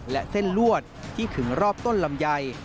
และเส้นลวดที่ขึงรอบต้นลำไย